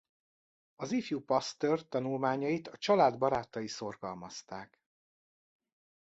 Az ifjú Pasteur tanulmányait a család barátai szorgalmazták.